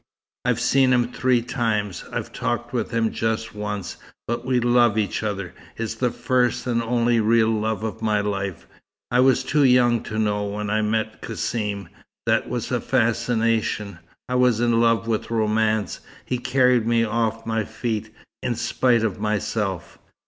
"I've seen him three times. I've talked with him just once. But we love each other. It's the first and only real love of my life. I was too young to know, when I met Cassim. That was a fascination. I was in love with romance. He carried me off my feet, in spite of myself."